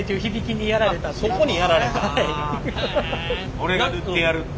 俺が塗ってやるっていうね。